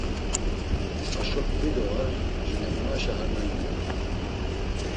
Haşo p̌t̆ǩvi do var, jilemonaşa ar nena moxt̆u.